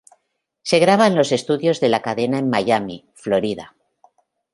Se graba en los estudios de la cadena en Miami, Florida.